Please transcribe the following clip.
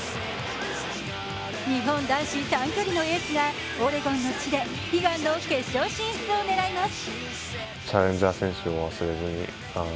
日本男子短距離のエースがオレゴンの地で悲願の決勝進出を狙います。